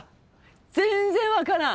全然分からん。